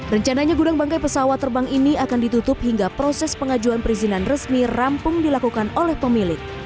rencananya gudang bangkai pesawat terbang ini akan ditutup hingga proses pengajuan perizinan resmi rampung dilakukan oleh pemilik